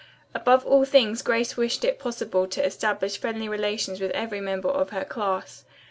Above all things Grace wished if possible to establish friendly relations with every member of her class.